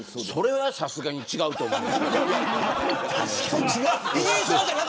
それはさすがに違うと思います。